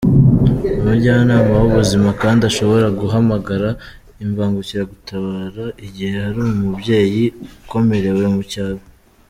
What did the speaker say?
Umujyanama w’ubuzima kandi ashobora guhamagara imbangukiragutabara igihe hari umubyeyi ukomerewe mu cyaro.